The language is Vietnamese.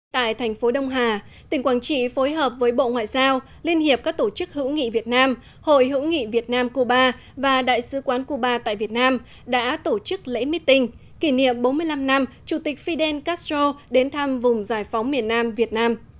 tại thành phố đông hà tỉnh quảng trị phối hợp với bộ ngoại giao liên hiệp các tổ chức hữu nghị việt nam hội hữu nghị việt nam cuba và đại sứ quán cuba tại việt nam đã tổ chức lễ meeting kỷ niệm bốn mươi năm năm chủ tịch fidel castro đến thăm vùng giải phóng miền nam việt nam